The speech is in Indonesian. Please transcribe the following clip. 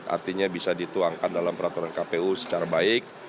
artinya bisa dituangkan dalam peraturan kpu secara baik